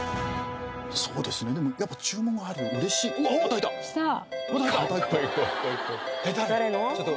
そうですねでもやっぱ注文が入ると嬉しいおっ！